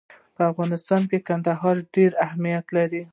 په افغانستان کې کندهار ډېر اهمیت لري.